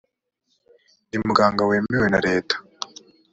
ni umuganga wemewe na leta